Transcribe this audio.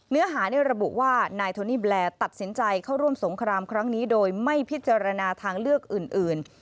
เนื้อหาในระบุว่านายโทนี่แบลตัดสินใจเข้าร่วมสงครามครั้งนี้โดยไม่พิจารณาทางเลือกอื่น